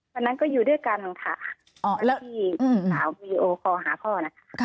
วันนั้นก็อยู่ด้วยกันค่ะที่สาววีดีโอคอลหาพ่อนะคะ